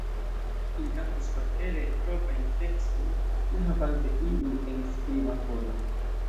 Li kantis parkere proprajn tekstojn, ne havante ilin en skriba formo.